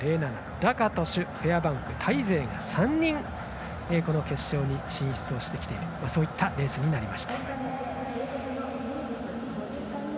ラカトシュ、フェアバンクタイ勢が３人、この決勝に進出をしてきているそういったレースになりました。